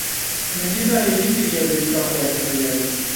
Min dîsa hêvî kiriye berîka xwe ya çiriyayî.